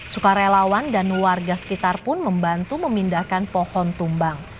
sukarelawan dan warga sekitar pun membantu memindahkan pohon tumbang